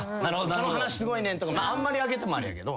「この話すごいねん」とかあんまり上げてもあれやけど。